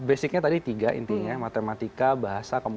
iya basisnya tadi tiga intinya matematika bahasa dan teknologi